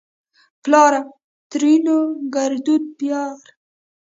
پلار؛ ترينو ګړدود پيار